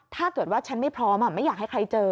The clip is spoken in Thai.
ถ้าเกิดว่าฉันไม่พร้อมไม่อยากให้ใครเจอ